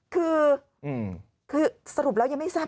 คือคือสรุปแล้วยังไม่ทราบ